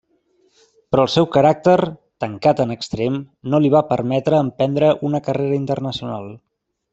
Però el seu caràcter, tancat en extrem, no li va permetre emprendre una carrera internacional.